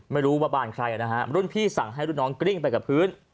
ไม่รู้ว่าบ้านใครนะฮะรุ่นพี่สั่งให้รุ่นน้องกริ้งไปกับพื้น